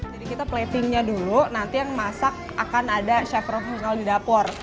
jadi kita platingnya dulu nanti yang masak akan ada chef profesional di dapur